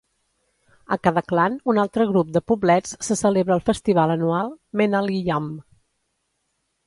A Kadaclan, un altre grup de poblets, se celebra el festival anual "Menaliyam".